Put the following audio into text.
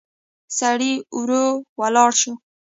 سړی ورو ولاړ شو.